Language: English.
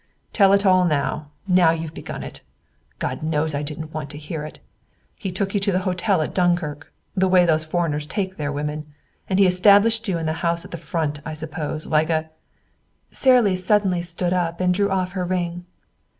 "Tell it all, now you've begun it. God knows I didn't want to hear it. He took you to the hotel at Dunkirk, the way those foreigners take their women. And he established you in the house at the Front, I suppose, like a " Sara Lee suddenly stood up and drew off her ring.